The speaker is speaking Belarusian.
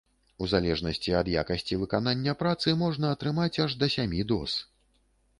У залежнасці ад якасці выканання працы, можна атрымаць аж да сямі доз.